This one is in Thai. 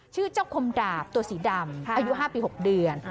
ชื่อเจ้าคมดาบตัวสีดำอายุ๕ปี๖เดือน